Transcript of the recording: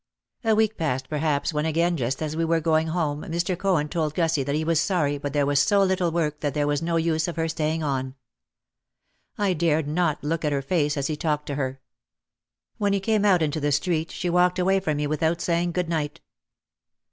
A week passed perhaps when again just as we were going home, Mr. Cohen told Gussie that he was sorry but there was so little work that there was no use of her staying on. I dared not look at her face as he talked to her. When we came out into the street she walked away from me without saying "Good night."